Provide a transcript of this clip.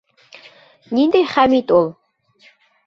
Ниндәй Хәмит ул?